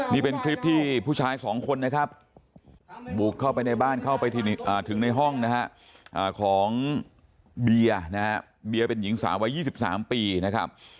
นี่เป็นคลิปที่ผู้ชายสองคนนะครับบุกเข้าไปในบ้านเข้าไปถึงในห้องนะฮะของเบียร์นะฮะเบียร์เป็นหญิงสาววัย๒๓ปีนะครับ